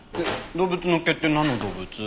動物の毛ってなんの動物？